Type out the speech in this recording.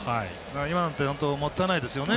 今のは本当にもったいないですよね。